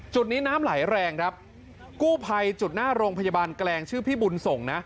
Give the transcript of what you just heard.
จุดนี้น้ำไหลแรงครับกู้ภัยจุดหน้าโรงพยาบาลแกลงชื่อพี่บุญส่งนะ